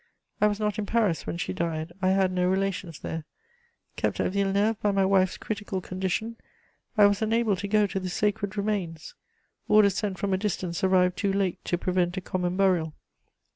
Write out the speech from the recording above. I was not in Paris when she died; I had no relations there; kept at Villeneuve by my wife's critical condition, I was unable to go to the sacred remains; orders sent from a distance arrived too late to prevent a common burial.